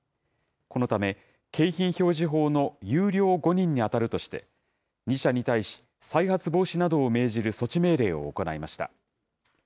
このため、景品表示法の優良誤認に当たるとして、２社に対し、再発防止などを命じる措置命令を行いました。